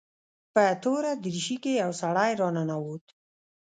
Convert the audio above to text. په توره دريشي کښې يو سړى راننوت.